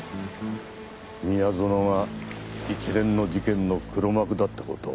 宮園が一連の事件の黒幕だって事を。